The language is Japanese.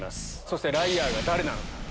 そしてライアーが誰なのか。